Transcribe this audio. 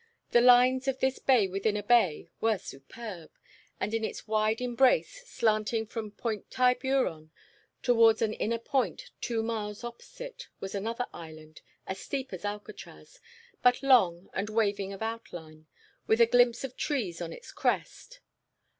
The lines of this bay within a bay were superb, and in its wide embrace, slanting from Point Tiburon toward an inner point two miles opposite was another island, as steep as Alcatraz, but long and waving of outline, with a glimpse of trees on its crest.